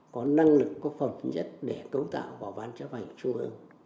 có năng lực có phẩm chính nhất để cấu tạo bảo bán chấp hành trung ương